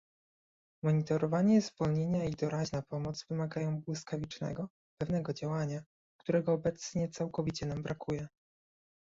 Monitorowane zwolnienia i doraźna pomoc wymagają błyskawicznego, pewnego działania, którego obecnie całkowicie nam brakuje